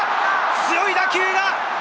強い打球が！